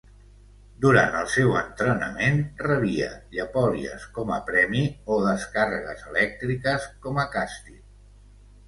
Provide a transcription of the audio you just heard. Durant el seu entrenament rebia llepolies com a premi o descàrregues elèctriques com a càstig.